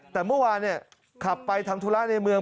แต่เมื่อวานขับไปทำธุระในเมือง